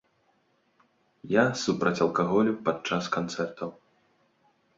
Я супраць алкаголю падчас канцэртаў.